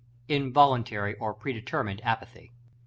Involuntary or predetermined apathy.